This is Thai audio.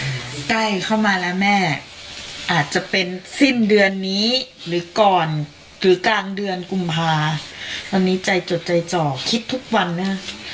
ใกล้เข้ามาแล้วแม่อาจจะเป็นสิ้นเดือนนี้หรือก่อนหรือกลางเดือนกุมภาตอนนี้ใจจดใจจ่อคิดทุกวันไหมฮะ